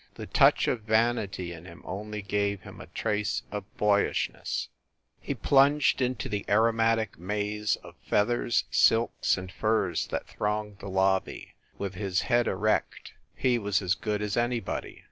The touch of vanity in him only gave him a trace of boyishness. 149 150 FIND THE WOMAN He plunged into the aromatic maze of feathers, silks and furs that thronged the lobby, with his head erect. He was as good as anybody.